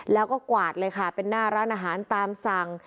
แล้วก็กวาดเลยค่ะเป็นหน้าร้านอาหารตามสั่ง